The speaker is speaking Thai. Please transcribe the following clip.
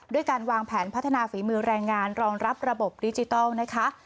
ด้วยการวางแผนพัฒนาฝีมือแรงงานรองรับระบบดิจิทัลนะคะ